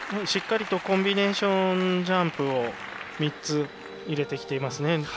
しっかりとコンビネーションジャンプを３つ入れてきていますね。